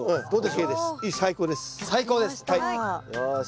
最高です。